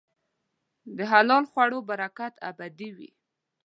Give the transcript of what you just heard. د حلال خوړو برکت ابدي وي.